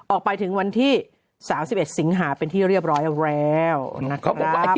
ออกไปถึงวันที่๓๑สิงหาเป็นที่เรียบร้อยแล้วนะครับ